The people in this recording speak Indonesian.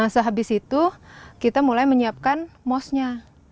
sehabis itu kita mulai menyiapkan mosnya